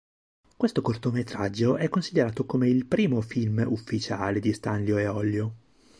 Questo cortometraggio è considerato come il primo film ufficiale di Stanlio e Ollio.